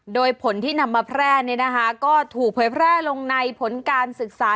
โดยผลที่นำมาแพร่ก็ถูกเผยแพร่ลงในผลการศึกษา